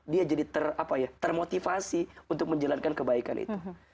dia jadi termotivasi untuk menjalankan kebaikan itu